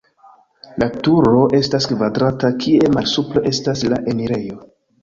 La turo estas kvadrata, kie malsupre estas la enirejo.